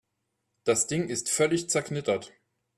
Das Ding ist völlig zerknittert.